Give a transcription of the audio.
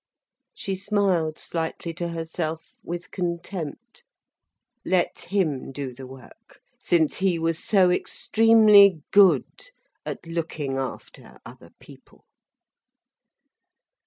She smiled slightly to herself, with contempt. Let him do the work, since he was so extremely good at looking after other people.